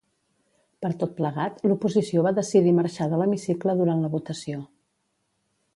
Per tot plegat l'oposició va decidir marxar de l'hemicicle durant la votació.